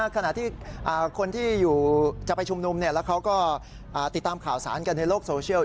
ขณะที่คนที่จะไปชุมนุมแล้วเขาก็ติดตามข่าวสารกันในโลกโซเชียล